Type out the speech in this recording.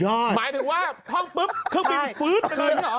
หมายถึงว่าท่องปึ๊บเครื่องบินฟื้ดเป็นพยายามนี่หรอ